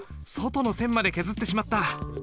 外の線まで削ってしまった。